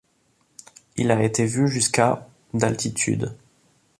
Il a été vu jusqu'à d'altitude.